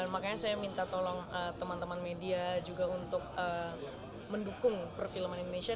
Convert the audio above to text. makanya saya minta tolong teman teman media juga untuk mendukung perfilman indonesia